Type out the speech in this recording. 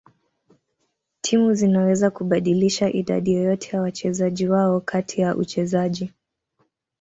Timu zinaweza kubadilisha idadi yoyote ya wachezaji wao kati ya uchezaji.